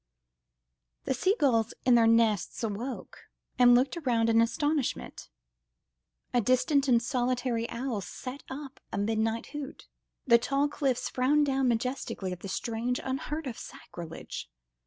The sea gulls in their nests awoke and looked round in astonishment; a distant and solitary owl set up a midnight hoot, the tall cliffs frowned down majestically at the strange, unheard of sacrilege.